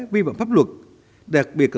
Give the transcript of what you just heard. viên bằng pháp luật đặc biệt